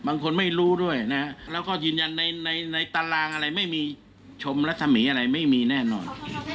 บางคนไม่รู้ด้วยนะฮะแล้วก็ยืนยันในตารางอะไรไม่มีชมรัศมีอะไรไม่มีแน่นอน